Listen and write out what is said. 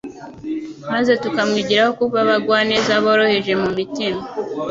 maze tukamwigiraho kuba abagwaneza boroheje mu mutima.